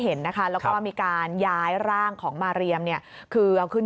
เห็นนะคะแล้วก็มีการย้ายร่างของมาเรียมเนี่ยคือเอาขึ้น